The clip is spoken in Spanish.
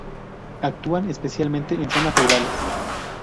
Actúan especialmente en zonas rurales.